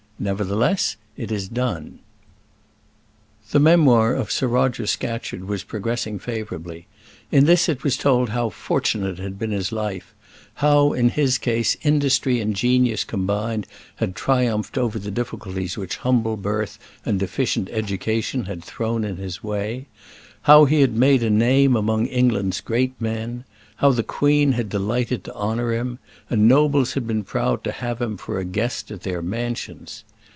Nevertheless, it is done. The memoir of Sir Roger Scatcherd was progressing favourably. In this it was told how fortunate had been his life; how, in his case, industry and genius combined had triumphed over the difficulties which humble birth and deficient education had thrown in his way; how he had made a name among England's great men; how the Queen had delighted to honour him, and nobles had been proud to have him for a guest at their mansions.